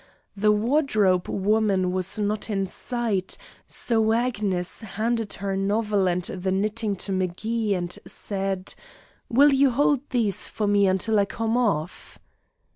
The wardrobe woman was not in sight, so Agnes handed her novel and her knitting to M'Gee and said: "Will you hold these for me until I come off?"